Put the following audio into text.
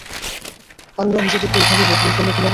আর ওরা নিজেদেরকে এভাবে বদলিয়ে ফেললো কীভাবে?